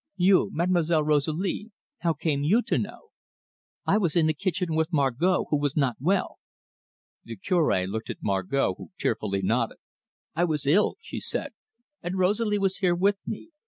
"You, Mademoiselle Rosalie, how came you to know?" "I was in the kitchen with Margot, who was not well." The Cure looked at Margot, who tearfully nodded. "I was ill," she said, "and Rosalie was here with me.